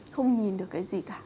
không nhìn được cái gì cả